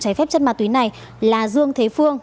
trái phép chất ma túy này là dương thế phương